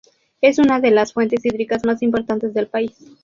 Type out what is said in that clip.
Es una de las fuentes hídricas más importantes del país.